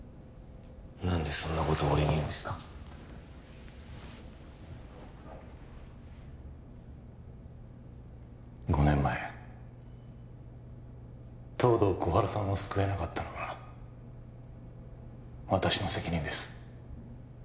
何でそんなことを俺に言うんですか５年前東堂心春さんを救えなかったのは私の責任です